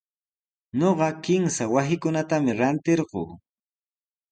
Ñuqa kimsa wasikunatami rantirquu.